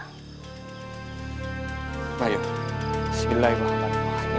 hai bayung silai muhammad